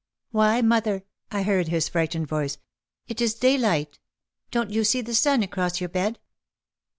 " 'Why, mother/ I heard his frightened voice, 'it is daylight. Don't you see the sun across your bed